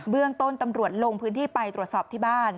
เรื่องต้นตำรวจลงพื้นที่ไปตรวจสอบที่บ้าน